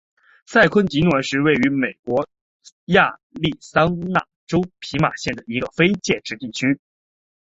塞昆迪诺是位于美国亚利桑那州皮马县的一个非建制地区。